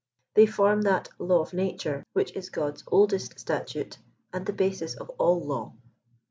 They form that " law of nature" which is God's oldest statute and the basis of all law.